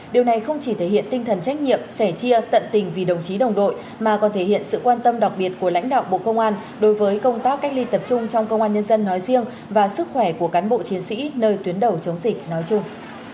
điều này không chỉ thể hiện tinh thần trách nhiệm sẻ chia tận tình vì đồng chí đồng đội mà còn thể hiện sự quan tâm đặc biệt của lãnh đạo bộ công an đối với công tác cách ly tập trung trong công an nhân dân nói riêng và sức khỏe của cán bộ chiến sĩ nơi tuyến đầu chống dịch nói chung